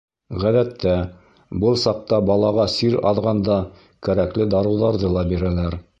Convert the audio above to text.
Ғәҙәттә, был саҡта балаға сир аҙғанда кәрәкле дарыуҙарҙы ла бирәләр.